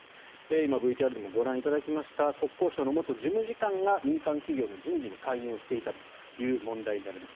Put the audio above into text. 今、ＶＴＲでもご覧いただきました国交省の元事務次官が民間企業の人事に介入していた問題です。